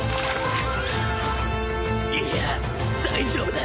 いや大丈夫だ